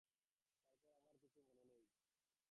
তারপর আমার আর কিছু মনে নেই।